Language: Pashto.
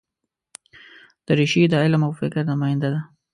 دریشي د علم او فکر نماینده ده.